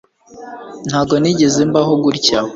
Ntabwo nigeze mbaho gutya